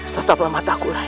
tetaplah mataku rai